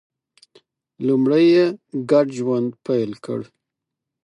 لومړی یې ګډ ژوند پیل کړ